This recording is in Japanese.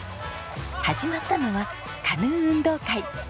始まったのはカヌー運動会。